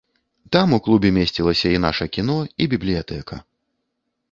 Там у клубе месцілася і наша кіно, і бібліятэка.